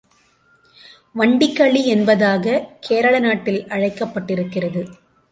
வண்டிகளி என்பதாக கேரள நாட்டில் அழைக்கப்பட்டிருக்கிறது.